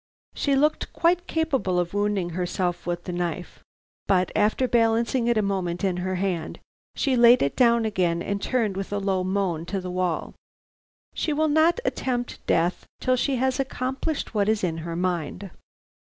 She looked quite capable of wounding herself with the knife, but after balancing it a moment in her hand, she laid it down again and turned with a low moan to the wall. She will not attempt death till she has accomplished what is in her mind.